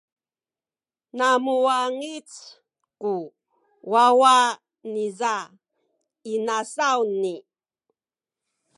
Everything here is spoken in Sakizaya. na muwangic ku wawa niza inasawni.